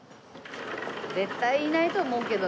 絶対いないと思うけどね。